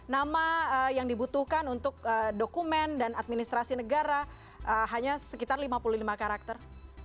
nama yang dibutuhkan untuk dokumen dan administrasi negara hanya sekitar lima puluh lima karakter